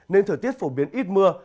nên thời tiết phổ biến ít mưa